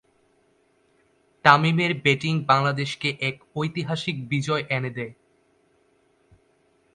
তামিমের ব্যাটিং বাংলাদেশকে এক ঐতিহাসিক বিজয় এনে দেয়।